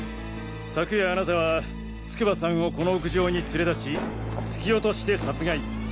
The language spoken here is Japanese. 昨夜あなたは筑波さんをこの屋上に連れ出し突き落として殺害。